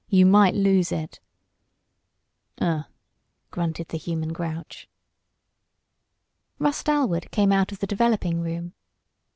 You might lose it." "Uh!" grunted the human grouch. Russ Dalwood came out of the developing room.